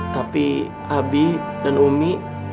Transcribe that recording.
tapi abi dan umi